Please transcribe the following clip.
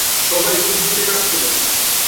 সবাই খুব জোরে কাঁদছিল।